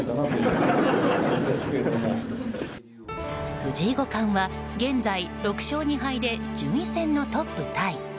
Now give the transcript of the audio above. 藤井五冠は現在６勝２敗で順位戦のトップタイ。